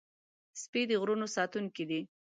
سپي د غرونو ساتونکي دي.